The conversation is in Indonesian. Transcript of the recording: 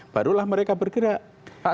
barulah mereka bergerak